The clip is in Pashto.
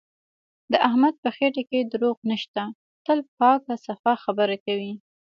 د احمد په خټه کې دروغ نشته، تل پاکه صفا خبره کوي.